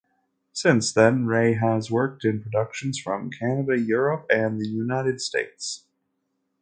Since then, Ray has worked in productions from Canada, Europe, and the United States.